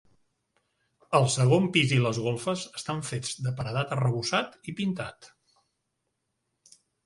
El segon pis i les golfes estan fets de paredat arrebossat i pintat.